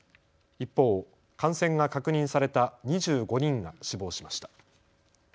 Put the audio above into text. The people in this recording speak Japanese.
一方、感染が確認された２５人が死亡しました。